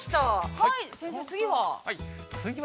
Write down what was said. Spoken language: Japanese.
はい、先生、次は？